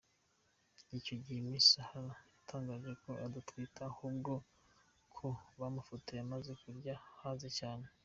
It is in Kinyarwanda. Icyo gihe Miss Zahara yatangaje ko adatwite ahubwo ko bamufotoye amaze kurya, yahaze cyane.